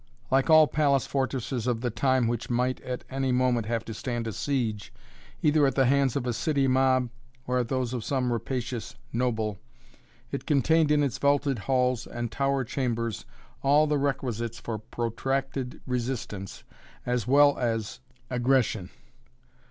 Like all palace fortresses of the time which might at any moment have to stand a siege, either at the hands of a city mob or at those of some rapacious noble, it contained in its vaulted halls and tower chambers all the requisites for protracted resistance as well as aggression.